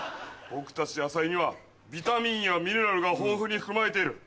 僕たち野菜にはビタミンやミネラルが豊富に含まれている。